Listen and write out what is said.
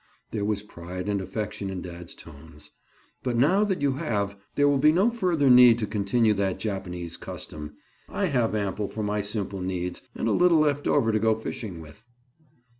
There was pride and affection in dad's tones. "But now that you have, there will be no further need to continue that Japanese custom. I have ample for my simple needs and a little left over to go fishing with."